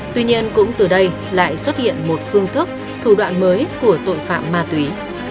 tuy nhiên cũng từ đây lại xuất hiện một phương thức thủ đoạn mới của tội phạm ma túy